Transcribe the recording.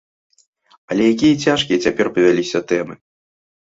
Але якія цяжкія цяпер павяліся тэмы!